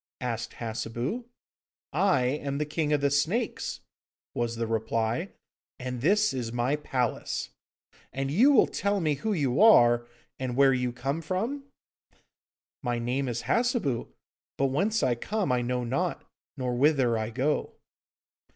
asked Hassebu. 'I am the King of the Snakes,' was the reply, 'and this is my palace. And will you tell me who you are, and where you come from?' 'My name is Hassebu, but whence I come I know not, nor whither I go.